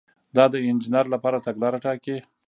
دا د انجینر لپاره تګلاره ټاکي.